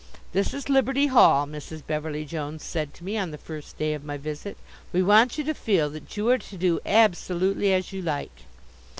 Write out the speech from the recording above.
"This is Liberty Hall," Mrs. Beverly Jones said to me on the first day of my visit. "We want you to feel that you are to do absolutely as you like!"